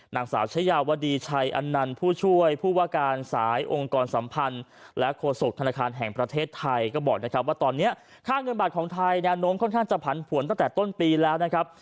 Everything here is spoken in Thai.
นางสาวชายาวดีชัยอันนันต์ผู้ช่วยผู้ว่าการสายองค์กรสัมพันธ์และโฆษกธนาคารแห่งประเทศไทยก็บอกนะครับว่าตอนนี้ค่าเงินบาทของไทยแนวโน้มค่อนข้างจะผันผวนตั้งแต่ต้นปีแล้วนะครับ